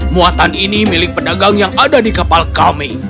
muatan ini milik pedagang yang ada di kapal kami